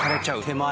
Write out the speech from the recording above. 手前。